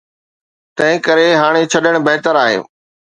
تنهن ڪري هاڻي ڇڏڻ بهتر آهي.